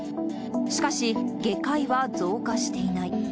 しかし、外科医は増加していない。